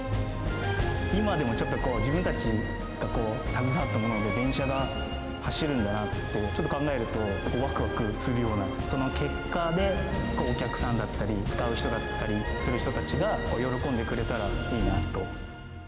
今でもちょっと、自分たちが携わったもので、電車が走るんだなって、ちょっと考えると、わくわくするような、その結果で、お客さんだったり使う人だったりする人が喜んでくれたらいいなと。